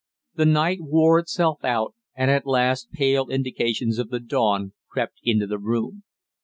The night wore itself out, and at last pale indications of the dawn crept into the room.